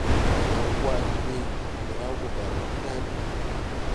Naw gwaʼ dwee, ndi raw go Garua ni na bi.